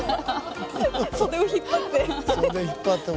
袖を引っ張って。